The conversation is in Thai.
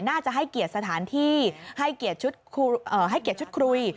น่าจะให้เกียรติสถานที่ให้เกียรติชุดครุย